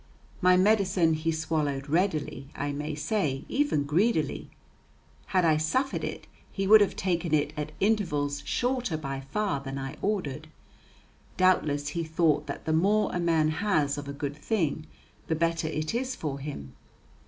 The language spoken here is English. My medicine he swallowed readily, I may say, even greedily. Had I suffered it, he would have taken it at intervals shorter by far than I ordered. Doubtless he thought that the more a man has of a good thing, the better it is for him.